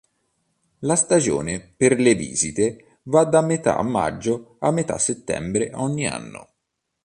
La stagione per le visite va da metà maggio a metà settembre ogni anno.